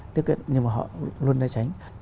tiếp cận nhưng họ luôn tránh